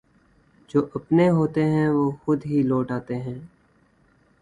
جواپنے ہوتے ہیں وہ خودہی لوٹ آتے ہیں